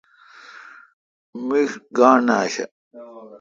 میݭ گانٹھ نہ آشہ۔